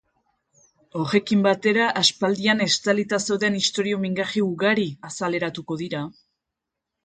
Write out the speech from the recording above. Horrekin batera, aspaldian estalita zeuden istorio mingarri ugari azaleratuko dira.